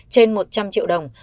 trên một trăm linh triệu đồng